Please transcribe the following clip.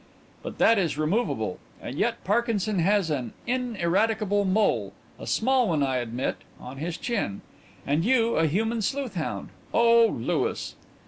"But that is removable. And yet Parkinson has an ineradicable mole a small one, I admit on his chin. And you a human sleuth hound. Oh, Louis!"